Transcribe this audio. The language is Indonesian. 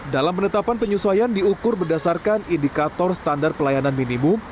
dalam penetapan penyesuaian diukur berdasarkan indikator standar pelayanan minimum